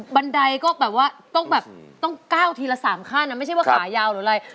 บันไดก็แบบว่าต้องแบบต้องก้าวทีละ๓ขั้นนะไม่ใช่ว่าขายาวหรืออะไร